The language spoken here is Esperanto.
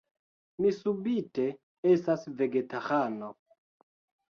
Mi subite estas vegetarano...